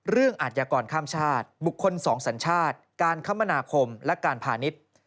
เรื่องอาจยากรข้ามชาติบุคคลสองสัญชาติการคมนาคมและการผ่านิต